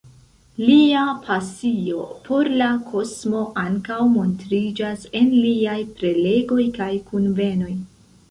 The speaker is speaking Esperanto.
Lia pasio por la kosmo ankaŭ montriĝas en liaj prelegoj kaj kunvenoj.